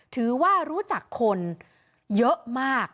ถือว่ารู้จักคนเยอะมาก